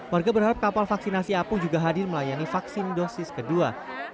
warga berharap kapal vaksinasi apung juga hadir melayani vaksin dosis kedua